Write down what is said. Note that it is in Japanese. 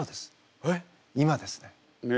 今ですね。